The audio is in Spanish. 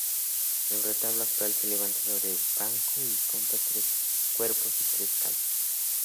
El retablo actual se levanta sobre banco y consta tres cuerpos y tres calles.